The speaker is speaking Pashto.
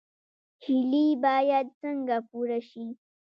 هیلې باید څنګه پوره شي؟